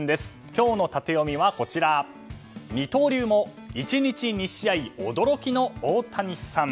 今日のタテヨミは、二刀流も１日２試合驚きのオオタニサン。